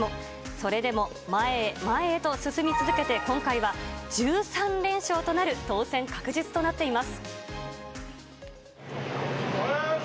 それでも前へ、前へと進み続けて、今回は１３連勝となる当選確実となっています。